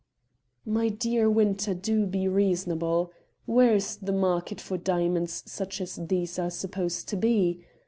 "My dear Winter, do be reasonable. Where is the market for diamonds such as these are supposed to be?